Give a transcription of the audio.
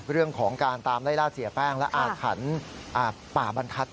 เรื่องของการตามไล่ล่าเสียแป้งและอาถรรพ์ป่าบรรทัศน